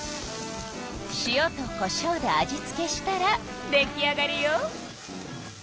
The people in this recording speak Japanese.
塩とこしょうで味付けしたら出来上がりよ。